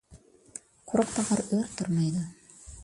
قۇرۇق تاغار ئۆرە تۇرمايدۇ.